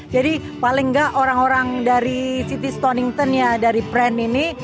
jadi paling enggak orang orang dari city stonington dari brand ini